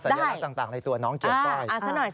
สัญลักษณ์ต่างในตัวน้องเกียวก้อย